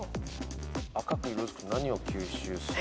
赤く色づくと何を吸収する。